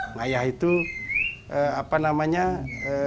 ngayah itu apa namanya ikut berpartisipasi dalam hal kegiatan kegiatan